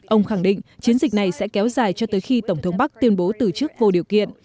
ông khẳng định chiến dịch này sẽ kéo dài cho tới khi tổng thống bắc tuyên bố từ chức vô điều kiện